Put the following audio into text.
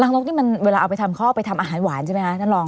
รางนกนี่มันเวลาที่เขาไปทำอาหารหวานใช่ไหมคะท่านลอง